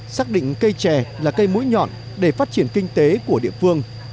xác định cây chè là cây mũi nhọn để phát triển kinh tế của địa phương